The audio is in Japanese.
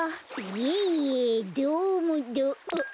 いえいえどうもどうあっ！